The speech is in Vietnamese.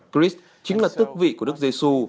tris chính là tức vị của đức giê xu